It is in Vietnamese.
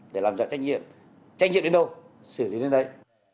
để làm ra trách nhiệm trách nhiệm đến đâu xử lý đến đấy